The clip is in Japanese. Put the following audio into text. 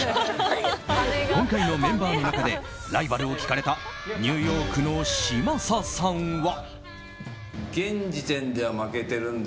今回のメンバーの中でライバルを聞かれたニューヨークの嶋佐さんは。